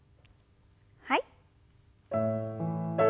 はい。